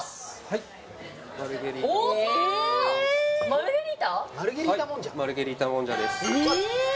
はいマルゲリータもんじゃですえっ